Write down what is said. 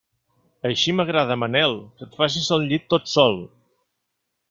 Així m'agrada, Manel, que et facis el llit tot sol.